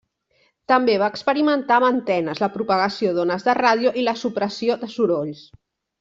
També va experimentar amb antenes, la propagació d'ones de ràdio i la supressió de sorolls.